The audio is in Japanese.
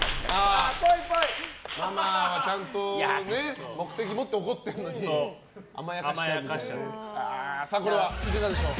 ママはちゃんとね目的を持って怒ってるのに甘やかしちゃう。